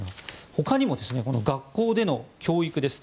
他にも、学校での教育です。